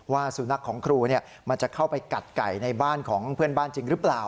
สุนัขของครูมันจะเข้าไปกัดไก่ในบ้านของเพื่อนบ้านจริงหรือเปล่า